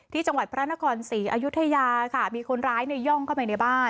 ที่จังหวัดพระนครศรีอยุธยาค่ะมีคนร้ายย่องเข้าไปในบ้าน